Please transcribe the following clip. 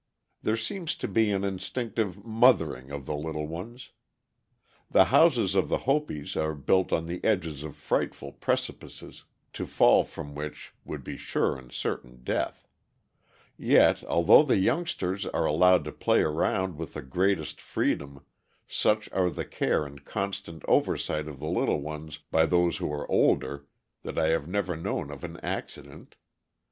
There seems to be an instinctive "mothering" of the little ones. The houses of the Hopis are built on the edges of frightful precipices, to fall from which would be sure and certain death; yet, although the youngsters are allowed to play around with the greatest freedom, such are the care and constant oversight of the little ones by those who are older that I have never known of an accident.